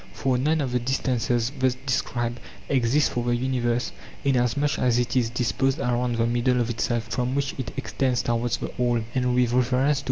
For none of the distances thus described exist for the universe, inasmuch as it is disposed around the middle of itself, from which it extends toward the all, and with reference to.